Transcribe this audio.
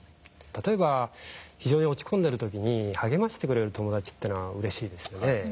例えば非常に落ち込んでる時に励ましてくれる友達というのはうれしいですよね。